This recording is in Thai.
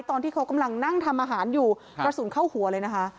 ตอนที่เขากำลังนั่งทำอาหารอยู่กระสุนเข้าหัวเลยนะคะ